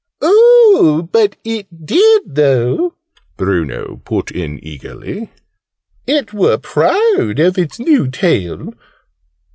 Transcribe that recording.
"Oh, but it did though!" Bruno put in eagerly. "It were proud of its new tail!